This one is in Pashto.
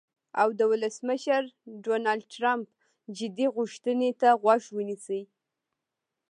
او د ولسمشر ډونالډ ټرمپ "جدي غوښتنې" ته غوږ ونیسي.